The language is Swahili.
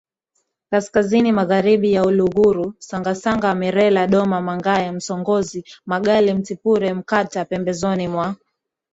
kaskazini Magharibi ya Uluguru Sangasanga Merela Doma Mangae Msongozi Magali Mtipure Mkata pembezoni mwa